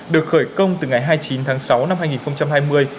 được khởi công từ ngày hai mươi chín tháng sáu năm hai nghìn hai mươi